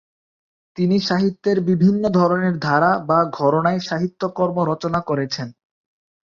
তিনি সাহিত্যের বিভিন্ন ধরণের ধারা বা ঘরণায় সাহিত্যকর্ম রচনা করেছেন।